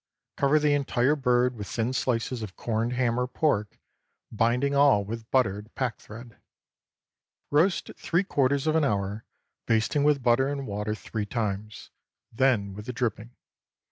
Cover the entire bird with thin slices of corned ham or pork, binding all with buttered pack thread. Roast three quarters of an hour, basting with butter and water three times, then with the dripping.